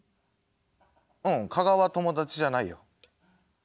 うん加賀は友達じゃないよ。